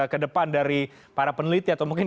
kedepan dari para peneliti atau mungkin